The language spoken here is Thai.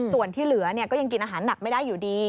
ส่วนที่เหลือก็ยังกินอาหารหนักไม่ได้อยู่ดี